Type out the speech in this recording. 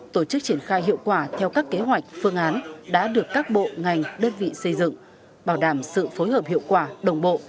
tổ chức triển khai hiệu quả theo các kế hoạch phương án đã được các bộ ngành đơn vị xây dựng bảo đảm sự phối hợp hiệu quả đồng bộ